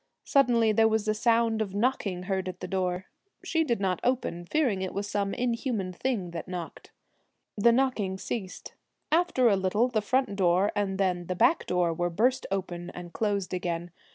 Suddenly there was a sound of knocking heard at the door. She did not open, fearing it was some unhuman thing that knocked. The knocking ceased. After a little the front door and then the back door were burst open, and closed again.